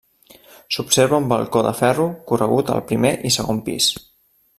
S'observa un balcó de ferro corregut al primer i segon pis.